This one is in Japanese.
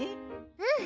うん